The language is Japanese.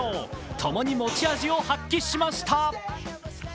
ともに持ち味を発揮しました。